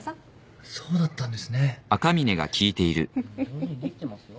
上手にできてますよ。